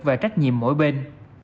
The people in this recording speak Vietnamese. và trách nhiệm mỗi bên